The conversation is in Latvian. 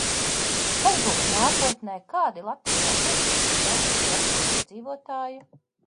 Kas būs nākotnē, kādi Latvijā būs un cik daudz būs Latvijas iedzīvotāju?